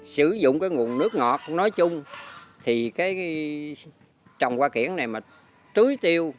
sử dụng cái nguồn nước ngọt nói chung thì cái trồng hoa kiển này mà tưới tiêu